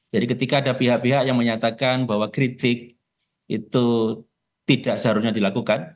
jadi ketika ada pihak pihak yang menyatakan bahwa kritik itu tidak seharusnya dilakukan